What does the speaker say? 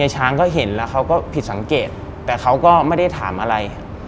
ช้างก็เห็นแล้วเขาก็ผิดสังเกตแต่เขาก็ไม่ได้ถามอะไร